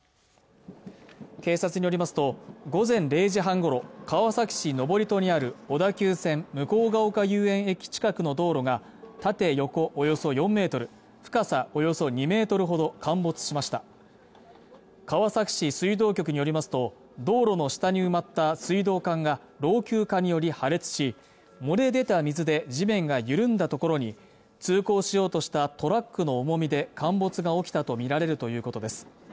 警察によりますと午前０時半ごろ川崎市登戸にある小田急線向ヶ丘遊園駅近くの道路が縦横およそ４メートル深さおよそ２メートルほど陥没しました川崎市水道局によりますと道路の下に埋まった水道管が老朽化により破裂し漏れ出た水で地面が緩んだところに通行しようとしたトラックの重みで陥没が起きたと見られるということです